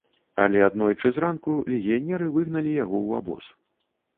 Але аднойчы зранку легіянеры выгналі яго ў абоз.